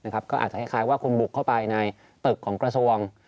ก็อาจจะคล้ายว่าคุณบุกเข้าไปในตึกของกระทรวง